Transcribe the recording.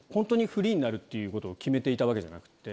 フリーになるっていうことを決めていたわけじゃなくって。